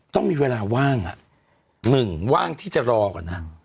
ต้องมีเวลาว่างหนึ่งว่างที่จะรอก่อน